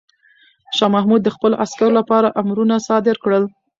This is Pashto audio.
شاه محمود د خپلو عسکرو لپاره امرونه صادر کړل.